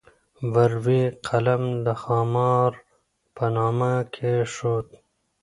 ور وې قلم د خامار په نامه کېښود.